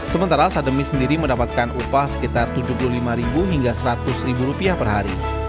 sementara sademi sendiri mendapatkan upah sekitar tujuh puluh lima ribu hingga seratus ribu rupiah per hari